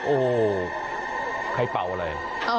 โอ้ใครเป่าอะไร